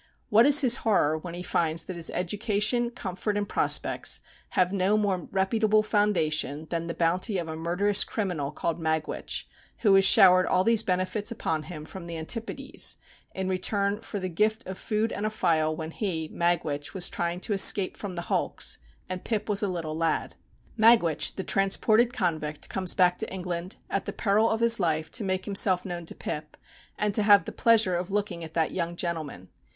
What is his horror when he finds that his education, comfort, and prospects have no more reputable foundation than the bounty of a murderous criminal called Magwitch, who has showered all these benefits upon him from the antipodes, in return for the gift of food and a file when he, Magwitch, was trying to escape from the hulks, and Pip was a little lad. Magwitch, the transported convict, comes back to England, at the peril of his life, to make himself known to Pip, and to have the pleasure of looking at that young gentleman.